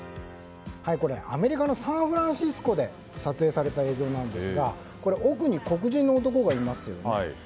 アメリカのサンフランシスコで撮影された映像ですが奥に黒人の男がいますよね。